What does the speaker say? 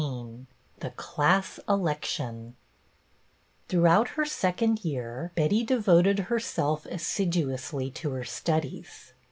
XVIII THE CLASS ELECTION T hroughout her second year Betty devoted herself assiduously to her studies.